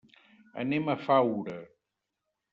Anem a Faura.